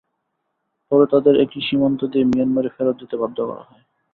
পরে তাদের একই সীমান্ত দিয়ে মিয়ানমারে ফেরত যেতে বাধ্য করা হয়।